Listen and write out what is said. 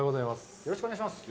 よろしくお願いします。